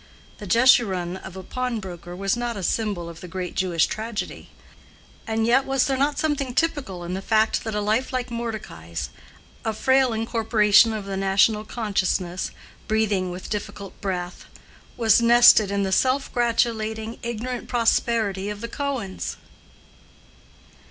This Jeshurun of a pawnbroker was not a symbol of the great Jewish tragedy; and yet was there not something typical in the fact that a life like Mordecai's—a frail incorporation of the national consciousness, breathing with difficult breath—was nested in the self gratulating ignorant prosperity of the Cohens?